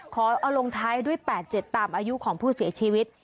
ขอเอาลงท้ายด้วย๘๗ตามอายุของผู้เสียชีวิต